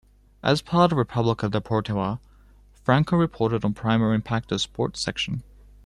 As part of "Republica Deportiva", Franco reported on "Primer Impacto"s sports section.